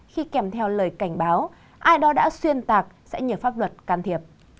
khi kèm theo lời cảnh báo ai đó đã xuyên tạc sẽ nhờ pháp luật can thiệp